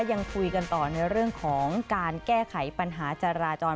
ยังคุยกันต่อในเรื่องของการแก้ไขปัญหาจราจร